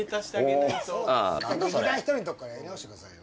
劇団ひとりのとこからやり直してくださいよ